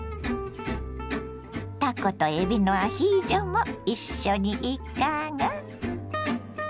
たことえびのアヒージョも一緒にいかが。